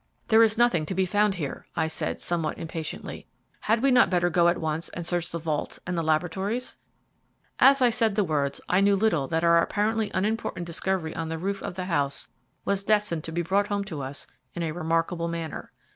"There is nothing to be found here," I said, somewhat impatiently. "Had we not better go at once and search the vaults and the laboratories?" As I said the words I little knew that our apparently unimportant discovery on the roof of the house was destined to be brought home to us in a remarkable manner.